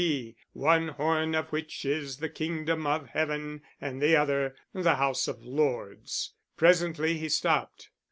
P., one horn of which is the Kingdom of Heaven, and the other the House of Lords. Presently he stopped.